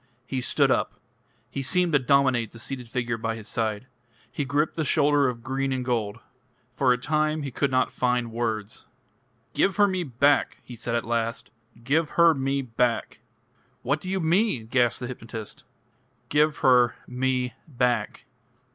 He stood up. He seemed to dominate the seated figure by his side. He gripped the shoulder of green and gold. For a time he could not find words. "Give her me back!" he said at last. "Give her me back!" "What do you mean?" gasped the hypnotist. "Give her me back."